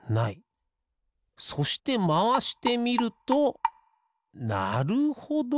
そしてまわしてみるとなるほど。